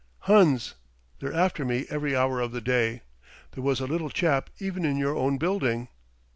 "Huns, they're after me every hour of the day. There was a little chap even in your own building."